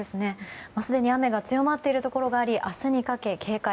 すでに雨が強まっているところがあり明日にかけて警戒。